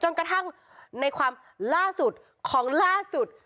กระทั่งในความล่าสุดของล่าสุด